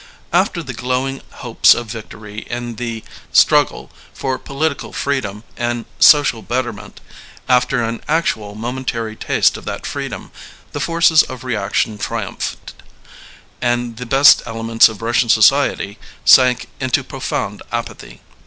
After the glowing hopes of victory in the gtmg^le for political freedom 5 6 LEONID ANDREYEV and social betterment, after an actual momentary taste of that freedom, the forces of reaction tri umphed, and the best elements of Russian society sank into profound apathy.